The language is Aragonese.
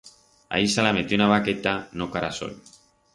A ixa la metión a baqueta en o carasol.